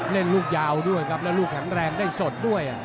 ลูกยาวด้วยครับแล้วลูกแข็งแรงได้สดด้วย